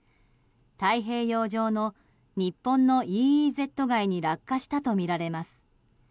太平洋上の日本のＥＥＺ外に落下したとみられます。